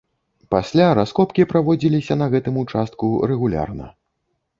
Пасля раскопкі праводзіліся на гэтым участку рэгулярна.